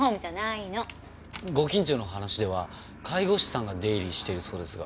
ご近所の話では介護士さんが出入りしているそうですが。